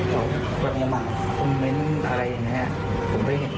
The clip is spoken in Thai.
เขาแบบอย่างนี้มาคอมเม้นต์อะไรอย่างนี้